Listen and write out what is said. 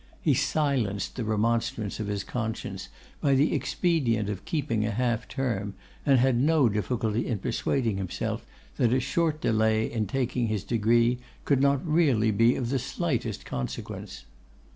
He silenced the remonstrance of his conscience by the expedient of keeping a half term, and had no difficulty in persuading himself that a short delay in taking his degree could not really be of the slightest consequence.